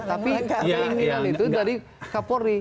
tapi keinginan itu dari kapolri